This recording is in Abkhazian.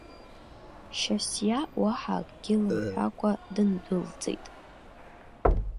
Шьасиа уаҳа акгьы лымҳәакәа дындәылҵит.